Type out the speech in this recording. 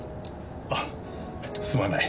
あすまない。